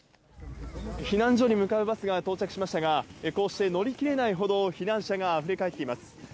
避難所に向かうバスが到着しましたが、こうして乗りきれないほど、避難者があふれ返っています。